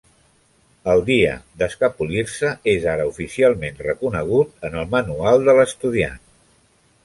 El dia d'escapolir-se és ara oficialment reconegut en el manual de l'estudiant.